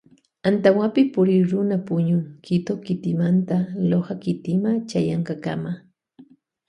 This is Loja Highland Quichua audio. Antawapi purikruna puñun Quito kitimanta Loja kitima chayankakama.